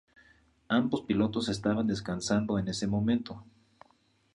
Ambos pilotos estaban descansando en ese momento.